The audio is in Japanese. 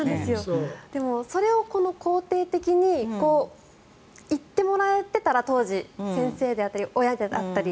でも、それを肯定的に当時、言ってもらえていたら先生であったり親であったり。